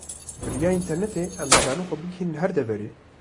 Bi rêya internêtê em dikarin xwe bigihînin her deverê.